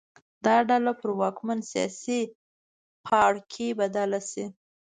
دا ډله پر واکمن سیاسي پاړکي بدله شي